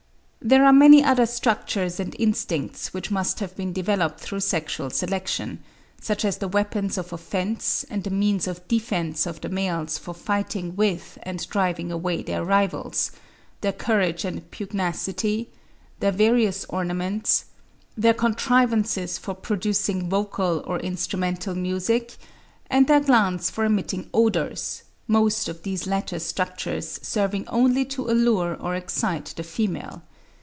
There are many other structures and instincts which must have been developed through sexual selection—such as the weapons of offence and the means of defence of the males for fighting with and driving away their rivals—their courage and pugnacity—their various ornaments—their contrivances for producing vocal or instrumental music—and their glands for emitting odours, most of these latter structures serving only to allure or excite the female.